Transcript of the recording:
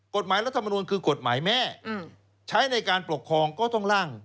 รัฐมนุนคือกฎหมายแม่ใช้ในการปกครองก็ต้องล่าง